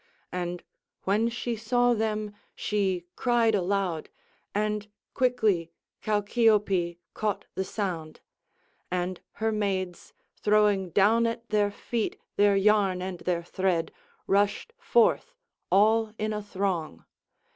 And when she saw them she cried aloud, and quickly Chalciope caught the sound; and her maids, throwing down at their feet their yarn and their thread, rushed forth all in a throng.